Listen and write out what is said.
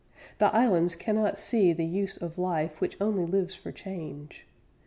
The Islands cannot see the use of life Which only lives for change.